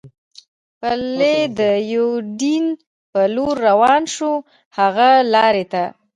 پلي د یوډین په لور روان شو، هغې لارې ته.